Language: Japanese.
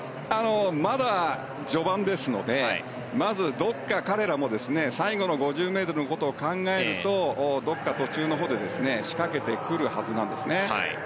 まだ序盤ですのでまず、どこか彼らも最後の５０ｍのことを考えるとどこか途中のほうで仕掛けてくるはずなんですね。